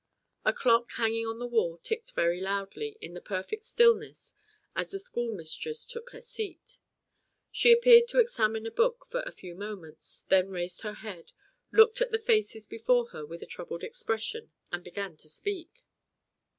A clock hanging on the wall ticked very loudly in the perfect stillness as the schoolmistress took her seat. She appeared to examine a book for a few moments, then raised her head, looked at the faces before her with a troubled expression, and began to speak.